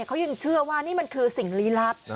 เขายังเชื่อว่านี่มันคือสิ่งลี้ลับ